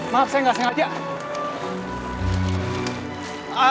maaf saya gak sengaja